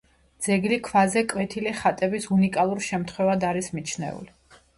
ძეგლი ქვაზე კვეთილი ხატების უნიკალურ შემთხვევად არის მიჩნეული.